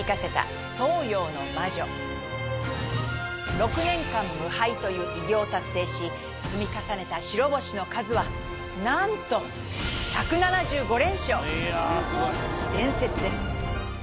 ６年間無敗という偉業を達成し積み重ねた白星の数はなんと１７５連勝！